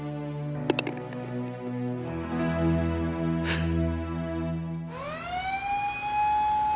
フッ。